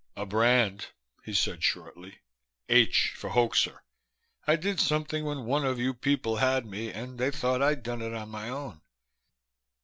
"A brand," he said shortly. "'H' for 'hoaxer.' I did something when one of you people had me, and they thought I'd done it on my own."